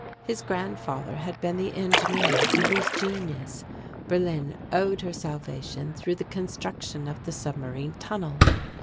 His grandfather had been the engineer to whose genius Berlin owed her salvation through the construction of the submarine tunnel.